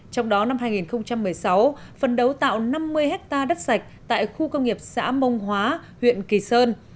trong đó năm hai nghìn một mươi sáu phần đấu tạo năm mươi hectare đất sạch tại khu công nghiệp xã mông hóa huyện kỳ sơn